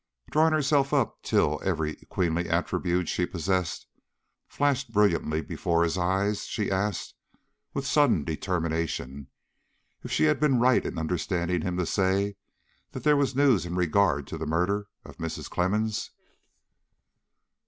Drawing herself up till every queenly attribute she possessed flashed brilliantly before his eyes, she asked, with sudden determination, if she had been right in understanding him to say that there was news in regard to the murder of Mrs. Clemmens?